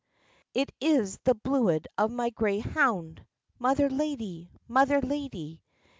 "It is the bluid of my grey hound, Mother lady! Mother lady!